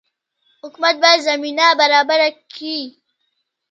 حکومت باید زمینه برابره کړي